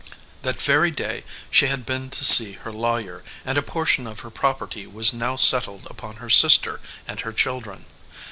That very day she had been to see her lawyer, and a portion of her property was now settled upon her sister and her children.